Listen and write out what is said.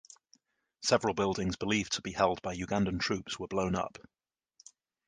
Several buildings believed to be held by Ugandan troops were blown up.